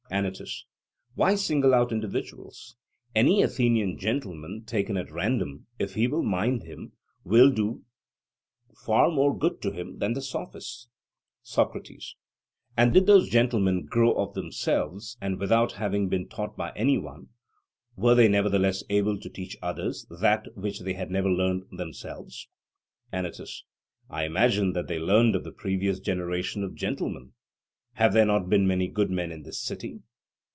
ANYTUS: Why single out individuals? Any Athenian gentleman, taken at random, if he will mind him, will do far more good to him than the Sophists. SOCRATES: And did those gentlemen grow of themselves; and without having been taught by any one, were they nevertheless able to teach others that which they had never learned themselves? ANYTUS: I imagine that they learned of the previous generation of gentlemen. Have there not been many good men in this city?